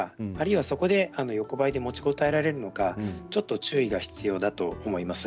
そこで横ばいで持ちこたえるのかちょっと注意が必要だと思います。